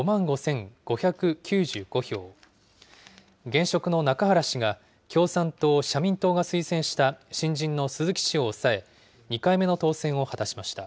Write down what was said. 現職の中原氏が、共産党、社民党が推薦した、新人の鈴木氏を抑え、２回目の当選を果たしました。